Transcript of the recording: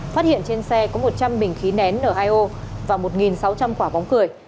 phát hiện trên xe có một trăm linh bình khí nén n hai o và một sáu trăm linh quả bóng cười